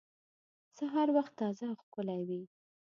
د سهار وخت تازه او ښکلی وي.